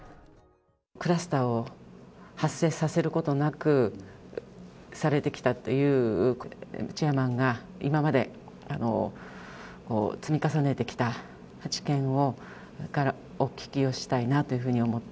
クラスターを発生させることなく、されてきたというチェアマンが、今まで積み重ねてきた知見をお聞きをしたいなというふうに思って。